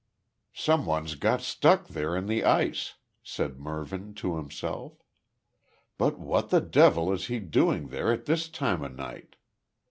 "Some one's got stuck there in the ice," said Mervyn to himself. "But what the devil is he doing there at this time of night?